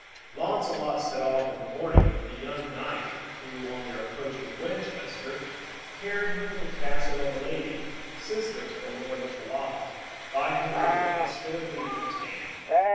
Launcelot set off in the morning with the young knight, who, on their approaching Winchester, carried him to the castle of a lady, sister to the lord of Shalott, by whom they were hospitably entertained.